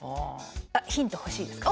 あっヒント欲しいですか？